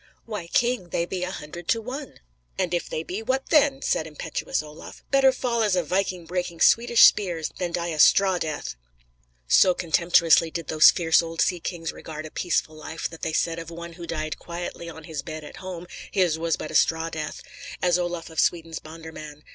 "Why, king, they be a hundred to one!" "And if they be, what then?" said impetuous Olaf "Better fall as a viking breaking Swedish spears than die a straw death [Footnote: So contemptuously did those fierce old sea kings regard a peaceful life that they said of one who died quietly on his bed at home: "His was but a straw death."] as Olaf of Sweden's bonder man.